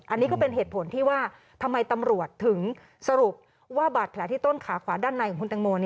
อันนี้ก็เป็นเหตุผลที่ว่าทำไมตำรวจถึงสรุปว่าบาดแผลที่ต้นขาขวาด้านในของคุณตังโม